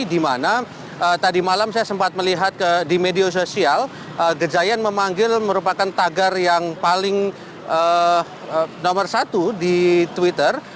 di mana tadi malam saya sempat melihat di media sosial gejayan memanggil merupakan tagar yang paling nomor satu di twitter